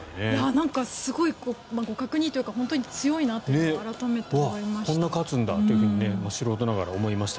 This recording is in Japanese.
すごい互角にというか強いなと改めて思いました。